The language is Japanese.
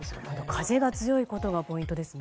風が強いことがポイントですね。